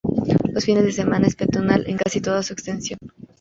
Los fines de semana, es peatonal en casi toda su extensión.